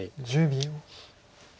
１０秒。